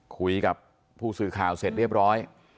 คุยกับผู้สื่อข่าวเสร็จเรียบร้อย